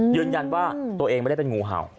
ยืนยันว่าตัวเองไม่ได้เป็นงูเห่า